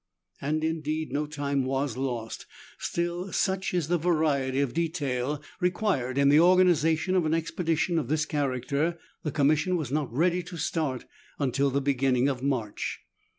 And indeed no time was lost ; still, such is the variety of detail required in the organization of an expedition of this character, the Commission was not ready to start until the beginning of March.